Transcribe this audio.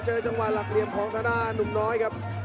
เจอจังหวัดหลักเรียบของซาด้านนุ่มน้อยครับ